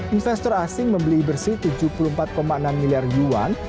investor asing membeli bersih tujuh puluh empat enam miliar yuan